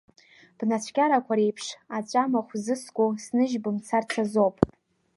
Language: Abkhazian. Бнацәкьарақәа реиԥш, аҵәамахә зыску, сныжь бымцарц азоуп!